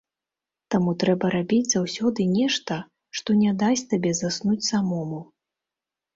Таму трэба рабіць заўсёды нешта, што не дасць табе заснуць самому.